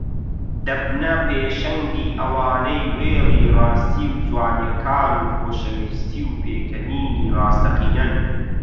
دەبنە پێشەنگی ئەوانەی وێڵی ڕاستی و جوانییەکان و خۆشەویستی و پێکەنینی ڕاستەقینەن